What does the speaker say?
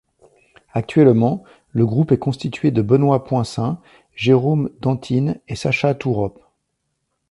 Actuellement, le groupe est constitué de Benoit Poncint, Jérôme Danthinne et Sacha Toorop.